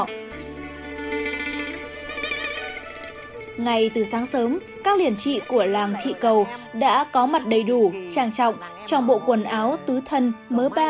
ngày từ sáng sớm các liền trị của làng thị cầu đã có mặt đầy đủ trang trọng trong bộ quần áo tứ thân mới bán